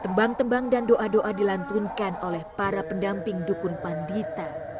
tembang tembang dan doa doa dilantunkan oleh para pendamping dukun pandita